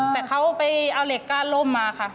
แต่เขาไปเอาเหล็กก้านร่มมาค่ะ